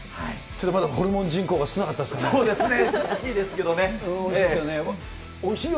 ちょっとまだホルモン人口が少なかったですかね。